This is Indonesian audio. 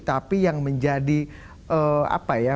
tapi yang menjadi apa ya